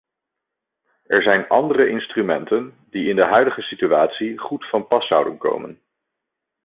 Er zijn andere instrumenten die in de huidige situatie goed van pas zouden komen.